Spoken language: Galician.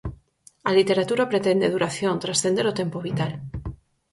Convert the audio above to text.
A literatura pretende duración, transcender o tempo vital.